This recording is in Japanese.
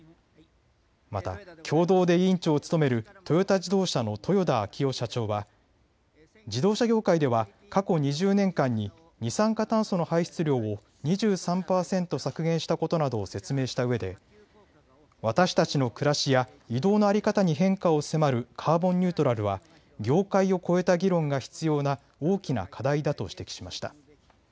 また共同で委員長を務めるトヨタ自動車の豊田章男社長は自動車業界では過去２０年間に二酸化炭素の排出量を２３％削減したことなどを説明したうえで、私たちの暮らしや移動の在り方に変化を迫るカーボンニュートラルは業界を超えた議論が必要な大きな課題だと指摘しました。